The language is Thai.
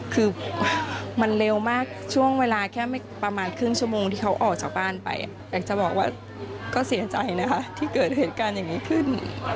คือมันเร็วมากช่วงเวลาแค่ประมาณครึ่งชั่วโมงที่เขาออกจากบ้านไปอยากจะบอกว่าก็เสียใจนะคะที่เกิดเหตุการณ์อย่างนี้ขึ้น